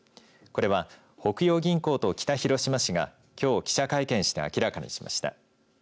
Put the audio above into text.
これは北洋銀行と北広島市がきょう記者会見して明らかにしました。